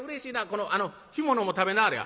この干物も食べなはれや。